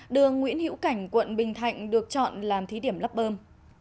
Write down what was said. đường nguyễn hữu cảnh quận bình thạnh được chọn làm thí điểm lắp bơm